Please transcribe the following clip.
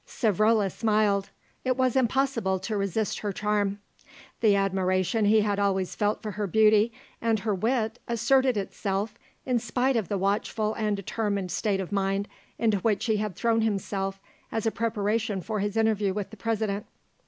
Savrola smiled. It was impossible to resist her charm. The admiration he had always felt for her beauty and her wit asserted itself in spite of the watchful and determined state of mind into which he had thrown himself as a preparation for his interview with the President.